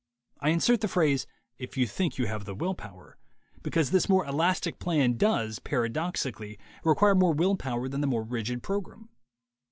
I insert the phrase "if you think you have the will power" because this more elastic plan does, paradoxically, require more will power than the more rigid program.